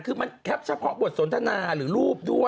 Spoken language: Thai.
คือมันแคปเฉพาะบทสนทนาหรือรูปด้วย